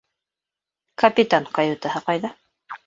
Капитан каютаһы ҡайҙа?